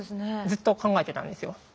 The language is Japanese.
ずっと考えてたんですよ。